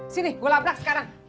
sini gue laprak sekarang